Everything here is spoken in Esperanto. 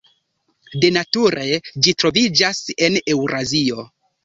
De nature ĝi troviĝas en Eŭrazio.